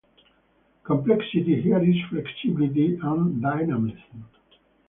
Complexity here is flexibility and dynamism.